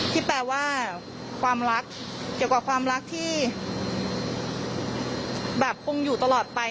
ที่แปลว่าความรักเกี่ยวกับความรักที่แบบคงอยู่ตลอดไป